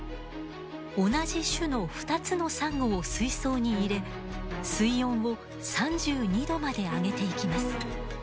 同じ種の２つのサンゴを水槽に入れ水温を３２℃まで上げていきます。